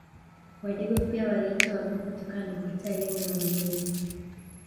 Wadigo pia waliitwa wavivu kutokana kukataa elimu ya waingereza